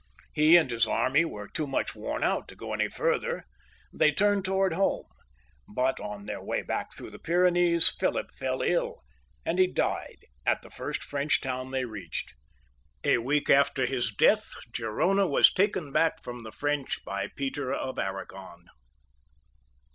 He and his army were too much worn out to go any farther ; they turned towards home, but on their way back through the Pyrenees PhiKp fell ill, and he died at the first French town they reached. A week after his death Gerona was taken back from the French by Peter of Arragon.